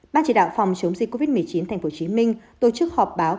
ban chỉ đạo phòng chống dịch covid một mươi chín tp hcm tổ chức họp báo